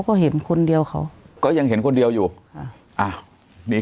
ก็เห็นคนเดียวเขาก็ยังเห็นคนเดียวอยู่ค่ะอ้าวนี่